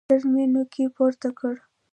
سر مې نوکى پورته کړ.